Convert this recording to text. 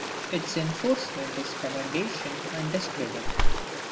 Its Inforcement is Commendation and Discredit.